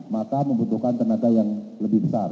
maka membutuhkan tenaga yang lebih besar